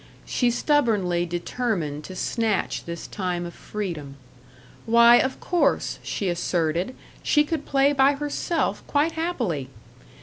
She stubbornly determined to snatch this time of freedom. Why, of course, she asserted, she could play by herself quite happily!